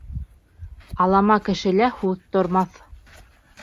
Алама кешелә һүҙ тормаҫ.